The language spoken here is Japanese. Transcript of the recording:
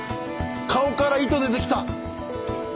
顔から糸出てきた。